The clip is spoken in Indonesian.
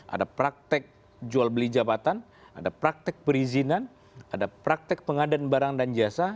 ada praktik jual beli jabatan ada praktik perizinan ada praktik pengadaan barang dan jasa